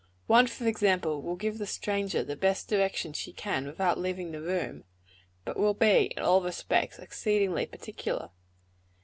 One, for example, will give the stranger the best directions she can without leaving the room; but will be in all respects exceedingly particular.